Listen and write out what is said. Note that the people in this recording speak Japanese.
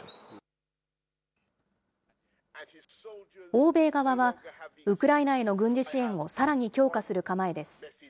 欧米側は、ウクライナへの軍事支援をさらに強化する構えです。